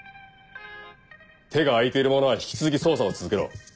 手が空いている者は引き続き捜査を続けろ。